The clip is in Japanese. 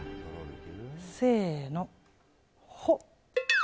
せーの、ほっ！